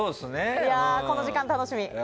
この時間楽しみ。